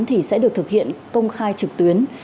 thì sẽ được thực hiện công khai trực tuyến